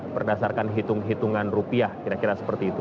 berdasarkan hitung hitungan rupiah kira kira seperti itu